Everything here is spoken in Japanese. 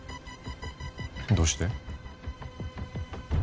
どうして？